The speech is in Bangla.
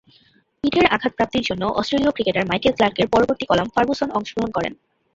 পিঠের আঘাতপ্রাপ্তির জন্য অস্ট্রেলীয় ক্রিকেটার মাইকেল ক্লার্কের পরিবর্তে কলাম ফার্গুসন অংশগ্রহণ করেন।